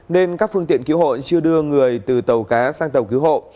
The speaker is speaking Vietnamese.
nên các phương tiện cứu hộ chưa đưa người từ tàu cá sang tàu cứu hộ